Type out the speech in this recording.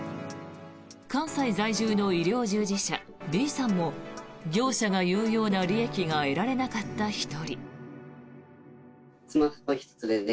関西在住の医療従事者、Ｂさんも業者が言うような利益が得られなかった１人。